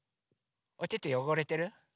おててよごれてる？